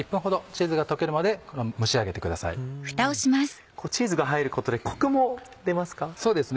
チーズが入ることでコクも出ますか？